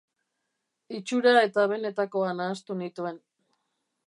Itxura eta benetakoa nahastu nituen.